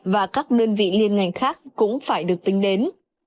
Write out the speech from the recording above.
và các đơn vị liên ngành khác cũng phải được tính đến